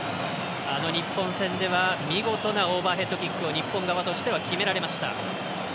あの日本戦では見事なオーバーヘッドキックを日本側としては決められました。